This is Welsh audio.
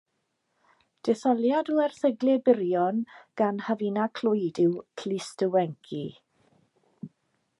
Detholiad o erthyglau byrion gan Hafina Clwyd yw Clust y Wenci.